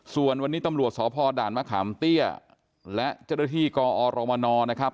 ส่วนวันนี้ตำรวจสภพด่านมะคามเตี้ยและเจริธีกออโรมนอลนะครับ